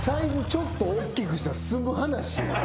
ちょっとおっきくしたら済む話。